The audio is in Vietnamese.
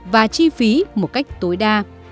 và chi phí một cách tối đa